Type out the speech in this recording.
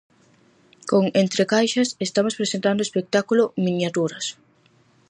Con 'Entrecaixas' estamos presentando o espectáculo "Miniaturas".